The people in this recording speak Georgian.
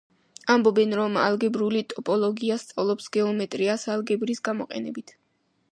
ამბობენ რომ ალგებრული ტოპოლოგია სწავლობს გეომეტრიას, ალგებრის გამოყენებით.